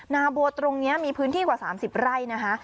นาบัวตรงนี้มีพื้นที่กว่า๓๐ไร่นะคะ